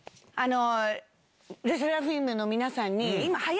ＬＥＳＳＥＲＡＦＩＭの皆さんに。